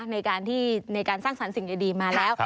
ในการสร้างสรรค์สิ่งดีมาแล้ว